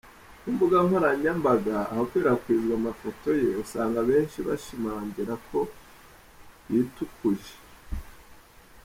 Ku mbuga nkoranyambaga ahakwirakwizwa amafoto ye, usanga benshi bashimangira ko yitukuje.